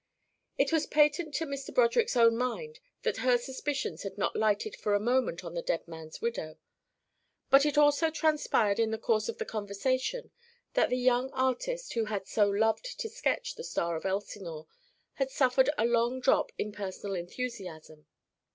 It was patent to Mr. Broderick's own mind that her suspicions had not lighted for a moment on the dead man's widow, but it also transpired in the course of the conversation that the young artist who had so "loved to sketch" the Star of Elsinore had suffered a long drop in personal enthusiasm.